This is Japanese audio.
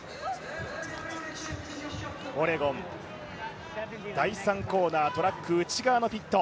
オレゴン、第３コーナートラック内側のピット。